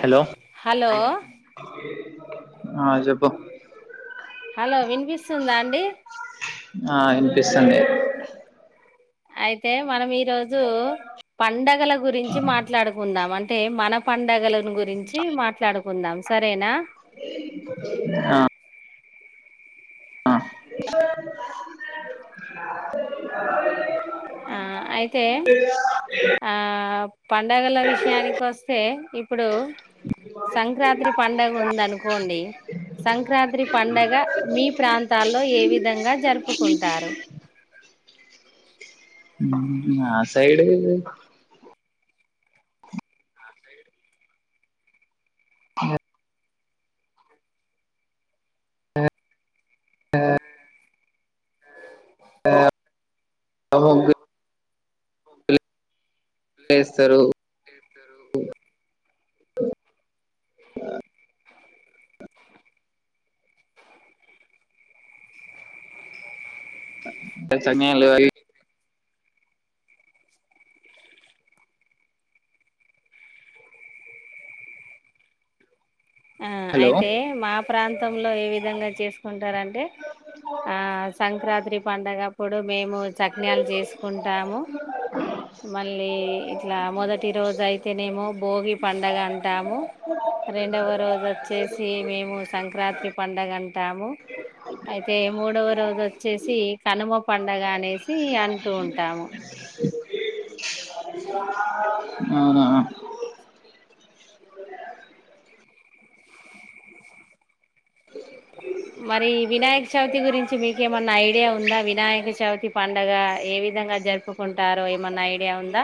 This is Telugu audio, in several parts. హలో హలో ఆ చెప్పు హలో వినిపిస్తుందా అండి ఆ వినిపిస్తుంది అయితే మనం ఈ రోజు పండగల గురించి మాట్ మాట్లాడుకుందాం అంటే మన పండగలను గురించి మాట్లాడుకుందాం సరేనా ఆ ఆ [inaudible] ఆ అయితే ఆ పండగల విషయానికి వస్తే ఇప్పుడు సంక్రాంతి పండుగ ఉందనుకోండి సంక్రాత్రి పండగ మీ ప్రాంతాల్లో ఏ విధంగా జరుపుకుంటారు [inaudible] ఉ మా సైడు ఆ ఆ [unintelligible] [inaudible] చేస్తారు చెత్తరు ఆ చనియల్ అల్ [inaudible] ఆ హలో అయితే మా ప్రాంతంలో ఏ విధంగా చేసుకుంటారంటే ఆ సంక్రాత్రి పండగప్పుడు మేము చక్నాలు చేసుకుంటాము మళ్ళీ ఇట్లా మొదటి రోజు అయితేనేమో భోగి పండగ అం టాము రెండవ రోజు వచ్చేసి మేము సంక్రాత్రీ పండగ అంటాము అయితే మూడవ రోజు వచ్చేసి కనుమ పండగ అనేసి అంటూ ఉంటాము [inaudible] ఆహా మరి వినాయక చవితి గురించి మీకేమన్నా ఐడియా ఉందా వినాయక చవితి పండగ ఏ విధంగా జరుపు ప్పుకుంటారు ఏమన్నా ఐడియా ఉందా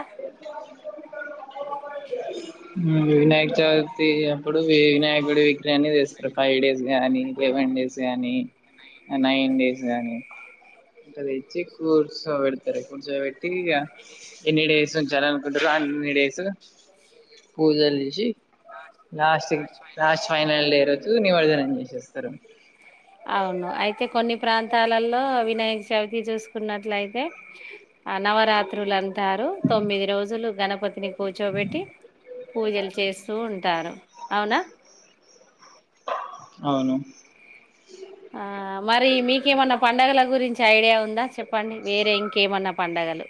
ఉం వినాయకచవితి అప్పుడు వినాయకుడి విగ్రహన్ని చేస్తారు ఫైవ్ డేస్ గానీ లెవెన్ డేస్ గానీ నైన్ డేస్ గాని ఇక తెచ్చి కూర్చోబెడతారు కూర్చో బెట్ ఇగ ఎన్ని డేస్ ఉంచాలా అనుకుంటరో అన్ని డేస్ పూజలు చే చి లాస్ట్ లాస్ట్ ఫైనల్ డే రోజు నిమజనం చేసేస్తారు [inaudible] అవును అయితే కొన్ని ప్రాంతాలలో వినాయక చవితి చూసుకున్నట్లయితే ఆ నవరాత్రులు అంటారు తొమ్మిది రోజులు గణపతిని కూర్చోబెట్టి పూజలు చేస్తూ ఉంటారు అవునా అవును ఆ మరి మీకేమన్నా పండగల గురించి ఐడియా ఉందా చెప్పండి వేరే ఇంకేమన్నా పండగలు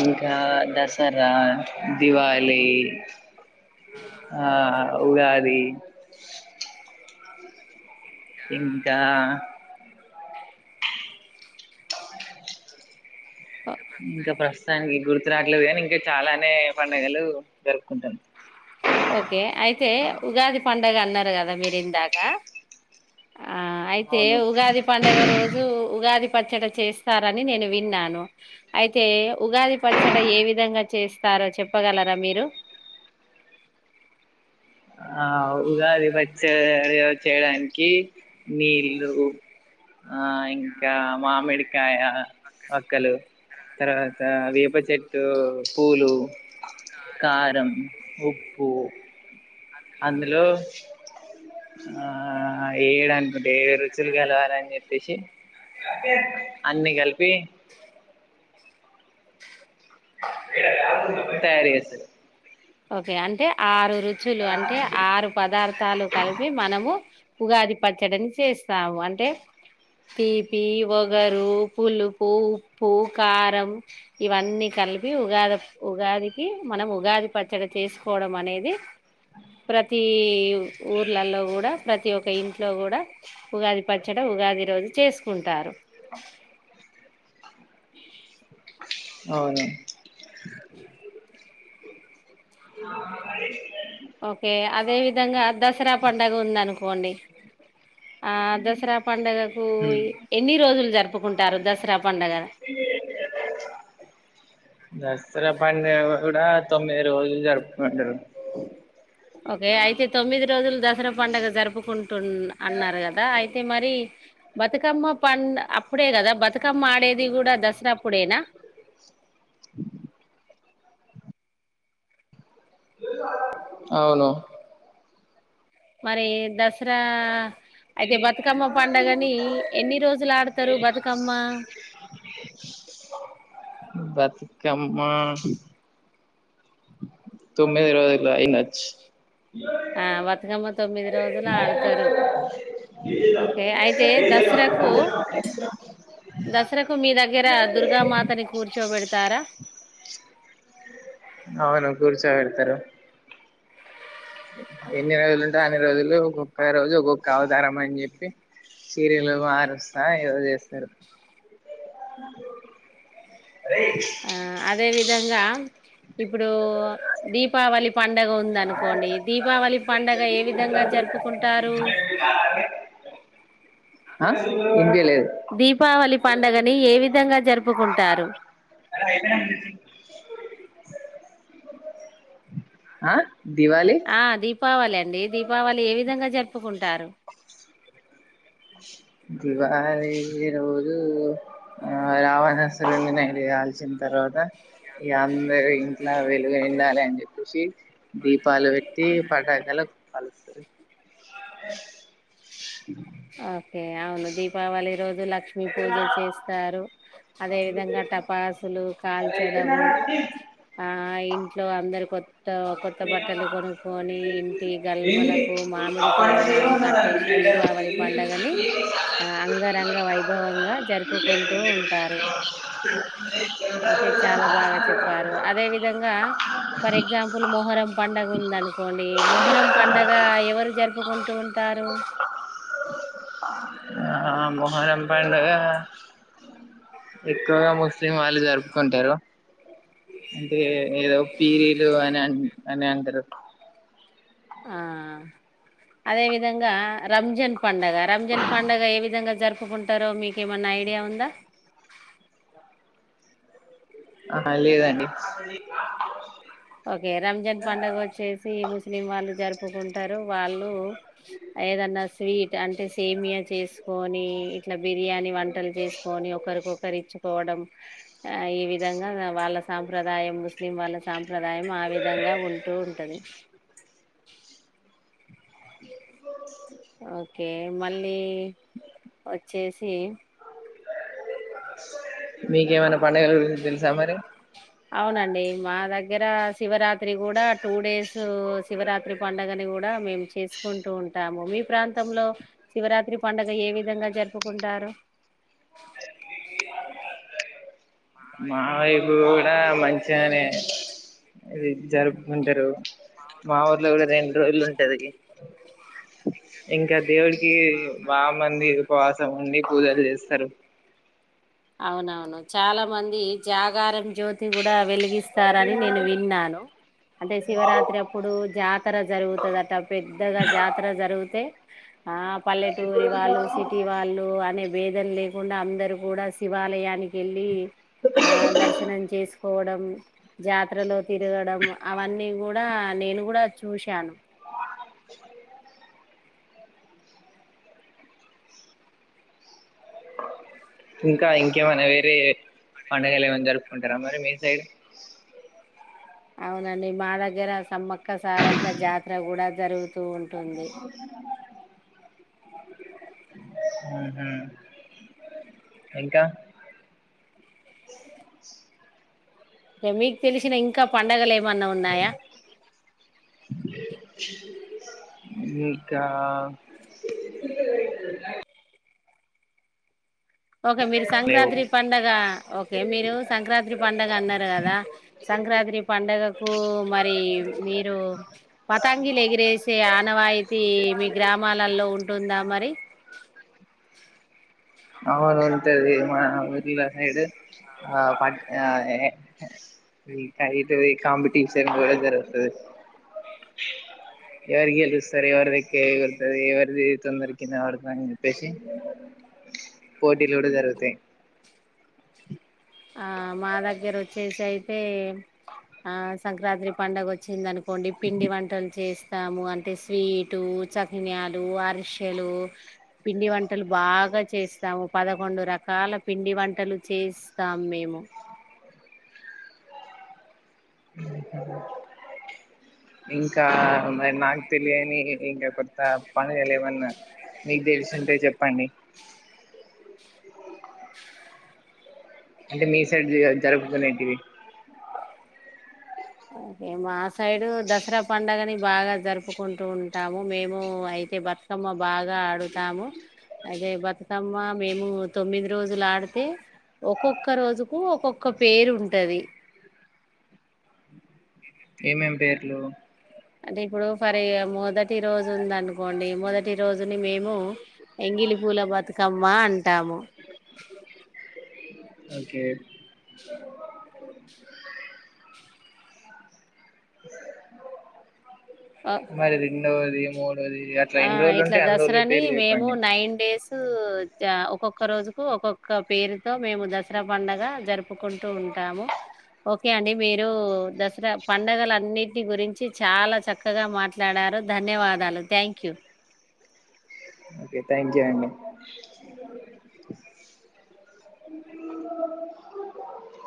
ఇంకా దసరా దివాళి ఆ ఉగాది ఇంకా ఆ ఇంకా ప్రస్తుతానికి గుర్తు రాట్లేదు కానీ ఇంకా చాలానే పండుగలు జరుపుకుంటాం ఓకే అయితే ఉగాది పండుగ అన్నారు కదా మీరు ఇందాక ఆ అయితే అవును ఉగాది పండుగ రోజు ఉగాది పచ్చడ చేస్తారని నేను విన్నాను అయితే ఉగాది పచ్చడ ఏ విధంగా చేస్తారో చెప్పగలరా మీరు ఆ ఉగాది పచ్చడ చేయడానికి నీళ్ళు ఆ ఇంకా మామిడికాయ ఒక్కలు తర్వాత వేప చెట్టు పూలు కారం ఉప్పు అందులో ఏయడానికి ఇగ రుచులు కలవాలని చెప్పేసి అన్ని కలిపి తయారు చేస్త ఓకే అంటే ఆరు రుచులు అంటే ఆరు పదార్థాలు కలిపి మనము ఉగాది పచ్చడని చేస్తాము అంటే తీపి వగరు పులుపు ఉప్పు కారం ఇవన్నీ కలిపి ఉగాది ఉగాదికి మనం ఉగాది పచ్చడి చేసుకోవడం అనేది ప్రతి ఊర్లలో కూడా ప్రతి ఒక్క ఇంట్లో కూడా ఉగాది పచ్చడ ఉగాది రోజు చేసుకుంటారు ఆఓ అవును ఆ ఓకే అదే విధంగా దసరా పండగ ఉందనుకోండి ఆ దసరా పండగకు ఉమ్. ఎన్ని రోజులు జరుపుకుంటారు దసరా పండగ దసరా పండగ కూడా తొమ్మిది రోజులు జరుపుంటారు ఓకే అయితే తొమ్మిది రోజులు దసరా పండగ జరుపుకుంటున్ అన్నారు కదా అయితే అయితే మరి బతుకమ్మ పండ్ అప్పుడే కదా బతుకమ్మ ఆడేది కూడా దసరా అప్పుడేనా అవును మరి దసరా అయితే బతుకమ్మ పండుగని ఎన్ని రోజులు ఆడతారు బతుకమ్మ బతుకమ్మ తొమ్మిది రోజులు అయినచ్ ఆ బతుకమ్మ తొమ్మిది రోజులు ఆడతారు ఓకే అయితే దసరాకు దసరాకు మీ దగ్గర దుర్గామాతని కూర్చోబెడతారా అవును కూర్చోబెడతారు ఎన్ని రోజులు ఉంటా అన్ని రోజులు ఒక్కొక్క రోజు ఒక్కొక్క అవతారం అని చెప్పి చీరలు మారుస్తా ఏవో చేస్తారు అరెజ్ ఆ అదే విధంగా ఇప్పుడు దీపావళి పండగ ఉందనుకోండి దీపావళి పండగ ఏ విధంగా జరుపుకుంటారు [unintelligible] ఆ తిండి లేదు దీపావళి పండగని ఏ విధంగా జరుపుకుంటారు అధయిపోయినంక తెచ్చింది ఆ దివాళి ఆ దీపావళి అండి దీపావళి ఏ విధంగా జరుపుకుంటారు [inaudible] దివాలి రోజు ఆ రావణాసురని నైట్ కాల్చిన తర్వాత ఇగ అందరు ఇంట్లో వెలుగు ఉండాలి అని చెప్పేసి దీపాలు పెట్టి పటాకులు కాలుస్తారు ఓకే అవును దీపావళి రోజు లక్ష్మీ పూజ చేస్తారు అదే విధంగా టపాసులు కాల్చడము ఆ ఇంట్లో అందరి కొత్ కొత్త బట్టలు కొనుక్కొని ఇంటి గల్మలకు మామిడి తోరణాలు కట్టేసి దీపావలి మ్మ్ ఏ ఆ అంగరంగ వైభవంగా జరుపుకుంటూ ఉంటారు ఓకే చాలా బాగా చెప్పారు అదే విధంగా ఫర్ ఎగ్జాంపుల్ మొహరం పండగ ఉందనుకోండి మొహరం పండగ ఎవరు జరుపుకుంటూ ఉంటే తారు ఆ మోహనం పండుగ ఎక్కువగా ముస్లిం వాళ్ళు జరుపుకుంటారు అంటే ఏదో పీరీలు అని అ అని అంటారు ఆ అదే విధంగా రంజన్ పంండగ రంజన్ పండుగ ఏ విధంగా జరుపుకుంటారో మీక ఏమన్నా ఐడియా ఉందా ఆహా లేదండి ఓకే రంజాన్ పండుగ వచ్చేసి ముస్లిం వాళ్ళు జరుపుకుంటారు వాళ్ళు ఏదన్నా స్వీట్ అంటే సేమియా చేసుకొని ఇట్లా బిర్యానీ వంటలు చేసుకొని ఒకరికొకరు ఇచ్చుకోవడం ఆ ఈ విధంగా వాళ్ళ సాంప్రదాయం ముస్లిం వాళ్ళ సాం ప్రదాయం ఆ విధంగా ఉంటూ ఉంటది ఓకే మళ్ళీ వచ్చేసి మీకేమన్నా పండగాల గురించి తెలుసా మరి అవునండి మా దగ్గర శివరాత్రి కూడా టూ డేస్ శివరాత్రి పండుగని కూడా మేము చేసుకుంటూ ఉంటాము మీ ప్రాంతంలో శివరాత్రి పడుగ ఏ విధంగా జరుపుకుంటారు మా వైపు కూడా మంచిగానే ఇది జరుపుకుంటారు మా ఊర్లో కూడా మాేడంటకా రెండు రోజులు ఉంటది దేవకి మా బా మంది ఉపవాసం ఉండి పూజలు చేస్తారు అవునవును చాలా మంది జాగారం జ్యోతి కూడా వెలిగిస్తారని నేను విన్నాను అంటే శివరాత్రి అప్పుడు జాతర జరుగుతుందట పెద్దగా జాతర జరిగితే ఆ పల్లెటూరి వాళ్ళు సిటీ వాళ్ళు అనే వేదన లేకుండా అందరు కూడా శివాలయానికి వెళ్ళి ఆ దర్శనం చేసుకోవడం జాతరలో తిరగడం అవన్నీ కూడా నేను కూడా చూశాను ఇంకా ఇంకేమన్నా వేరే పడుగలు ఏమైనా జరుపుకుంటారా మరి మీ సైడ్ అవునండి మా దగ్గర సమ్మక్క సారక్క జాతర కూడా జరుగుతూ ఉంటుంది ఆహ ఇంకా అే మీకు తెలిసిన ఇంకా పండగలు ఏమన్నా ఉన్నాయా ఉ ఇంకా ఓకే మీరు లేవు సంక్రాంతి పండగ ఓకే మీరు సంక్రాంతి పండగ అన్నారు కదా సంక్రాంతి పండుగకు మరి మీరు పతంగిలు ఎగిరేసే ఆనవాయితీ మీ గ్రామాలలో ఉంటుందా మరి అవును ఉంటది మా ఊర్లో సైడు ఆ పట్ ఆ ఆ ఈ కైటితే కాంపిటీషన్ కూడా జరుగుతుంది ఎవరి ఎలుస్తారు ఎవర్దిక్కతారు ఎవరిది తొందరకిింద వాడుతదీ అని చెప్పేసి పోటీలు కూడా జరుగుతాయి ఆ మా దగ్గర వచ్చేసి అయితే ఆ సంక్రాంతి పండుగ వచ్చిందినుకో డి పిండి వంటలు చేసి స్తాము అంటే స్వీటు చకిన్యాలు అరిసెలు పిండి వంటలు బాగా చేస్తాము పదకొండు రకాల పిండి వంటలు చేసి స్తాం మేము ఆ ఇంకా మరి నాకు తెలియని ఇంకా కొత్త పను లేమన్నా మీకు తెలిసుంటే చెప్పండి అంటే మీ సైడ్ జరుపుతునేంటివి ఇగ మా సైడు దసరా పండుగని బాగా జరుపుకుంటూ ఉంటాము మేము అయితే బ తుకమ్మ బాగా ఆడుతాము అదే బతుకమ్మ మేము తొమ్మిది రోజులు ఆడితే ఒక్కొక్క రోజుకు ఒక్కొక్క పేరు ఉంటది ఏమేం పేర్లు అంటే ఇప్పుడు ఫరి మొదటి రోజు ఉందనుకోండి మొదటి రోజుని మేము ఎంగిలి పూల బతుకమ్మా అంటాము ఒకే మరి రెండోది మూడోది అట్లా ఆ ఎన్ని రోజులు ఇట్లా ఉంటే అన్ని రోజుల దసరాని పేర్లు మేము చెప్పండి నైన్ డేస్ ఆ ఒక్కొక్క రోజుకు ఒక్కొక్క పేరుతో మేము దసరా పండగ జరుపుకుంటూ ఉంటాము ఓకే అండి మీరు దసరా పండగలన్నిటి గురించి చాలా చక్కగా మాట్లాడారు ధన్యవాదాలు థ్యాంక్ యూ ఓకేథ్యాంక్ యూ అండి